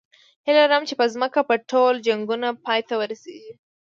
هیله لرم چې په ځمکه به ټول جنګونه پای ته ورسېږي